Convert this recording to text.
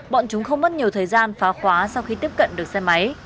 bọn chúng không mất nhiều thời gian phá khóa sau khi tiếp cận được xe máy